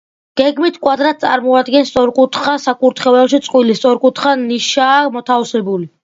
გეგმით კვადრატს წარმოადგენს, სწორკუთხა საკურთხეველში წყვილი სწორკუთხა ნიშაა მოთავსებული.